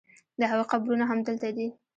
د هغوی قبرونه همدلته دي.